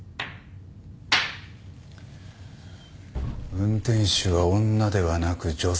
運転手は「女」ではなく「女性」と言った。